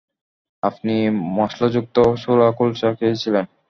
আপনি মসলাযুক্ত ছোলা-কুলচা খেয়েছিলেন।